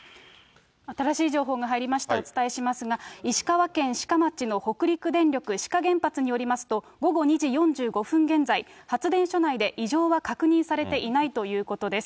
新しい情報が入りました、お伝えしますが、石川県志賀町の北陸電力志賀原発になりますと、午後２時４５分現在、発電所内で異常は確認されていないということです。